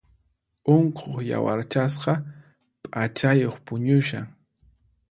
Unquq yawarchasqa p'achayuq puñushan.